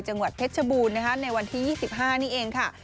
จังหวัดเพชรชบูรณ์ในวันที่๒๕นี่เองค่ะ